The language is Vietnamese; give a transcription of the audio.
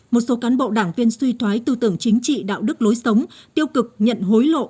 một số cán bộ đảng viên suy thoái tư tưởng chính trị đạo đức lối sống tiêu cực nhận hối lộ